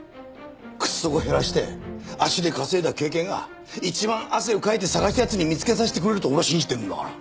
靴底減らして足で稼いだ経験が一番汗をかいて捜した奴に見つけさせてくれると俺は信じてるんだから。